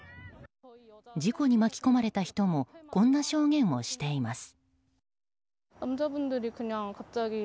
事故に巻き込まれた人もこんな証言をしています。